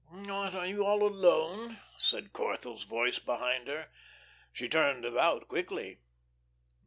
"What, you are all alone?" said Corthell's voice, behind her. She turned about quickly.